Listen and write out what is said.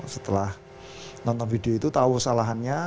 setelah nonton video itu tahu salahannya